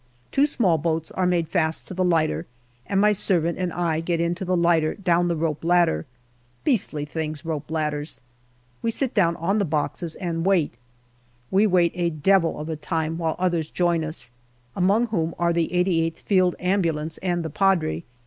Two small boats are made fast to the lighter, and my servant and I get into the lighter down the rope ladder. Beastly things, rope ladders. We sit down on the boxes and wait. We wait a devil of a time while others join us, among whom are the 88th Field Ambulance and the Padre.